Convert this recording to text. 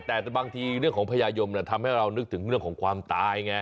แต่บางทีเรื่องของพญายมทำให้เรานึกถึงเรื่องของความตายไง